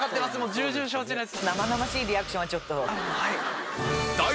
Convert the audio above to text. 重々承知です。